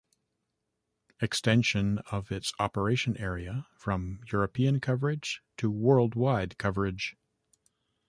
Extension of its operation area from European coverage to Worldwide coverage.